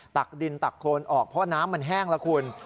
ตักดินตักโครนออกเพราะน้ำมันแห้งแล้วคุณ